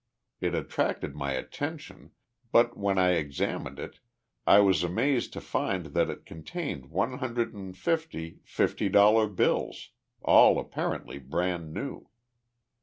It attracted my attention, but when I examined it I was amazed to find that it contained one hundred and fifty fifty dollar bills, all apparently brand new.